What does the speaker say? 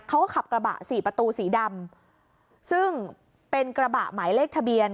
เขาก็ขับกระบะสี่ประตูสีดำซึ่งเป็นกระบะหมายเลขทะเบียน